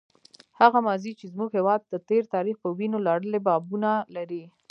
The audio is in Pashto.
هغه ماضي چې زموږ هېواد د تېر تاریخ په وینو لړلي بابونه لري.